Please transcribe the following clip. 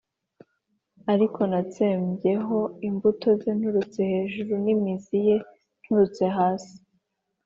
ariko natsembyeho imbuto ze nturutse hejuru n’imizi ye nturutse hasi.